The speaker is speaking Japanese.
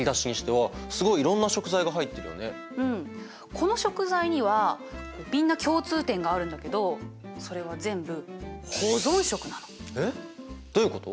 この食材にはみんな共通点があるんだけどそれは全部えっどういうこと？